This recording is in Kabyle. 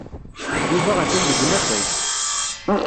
Yuba atan deg unafag.